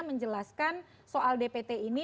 menjelaskan soal dpt ini